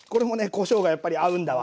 こしょうがやっぱり合うんだわ。